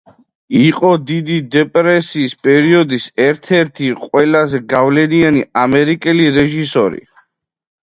იყო დიდი დეპრესიის პერიოდის ერთ-ერთი ყველაზე გავლენიანი ამერიკელი რეჟისორი.